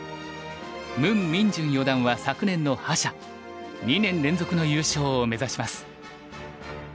ムン・ミンジョン四段は昨年の覇者２年連続の優勝を目指します。